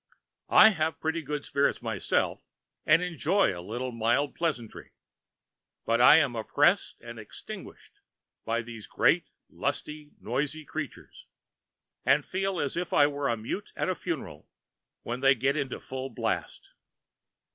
I have pretty good spirits myself, and enjoy a little mild pleasantry, but I am oppressed and extinguished by these great lusty, noisy creatures, and feel as if I were a mute at a funeral when they get into full blast.